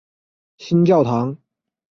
新教堂。